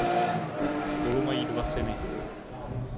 Spolu mají dva syny.